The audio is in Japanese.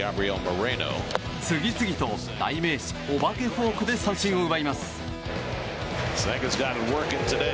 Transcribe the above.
次々と代名詞、お化けフォークで三振を奪います。